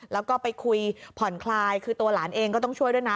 แล้วก็ไปคุยผ่อนคลายคือตัวหลานเองก็ต้องช่วยด้วยนะ